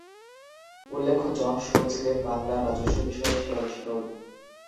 উল্লেখ্য, John Shore ছিলেন বাংলার রাজস্ব বিষয়ে সেরা বিশারদ।